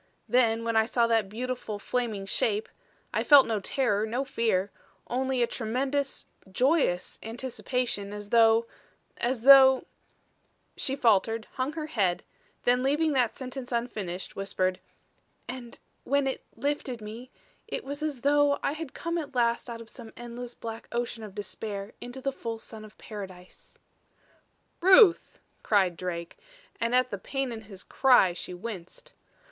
Then, when I saw that beautiful, flaming Shape I felt no terror, no fear only a tremendous joyous anticipation, as though as though " She faltered, hung her head, then leaving that sentence unfinished, whispered: "and when it lifted me it was as though I had come at last out of some endless black ocean of despair into the full sun of paradise." "Ruth!" cried Drake, and at the pain in his cry she winced.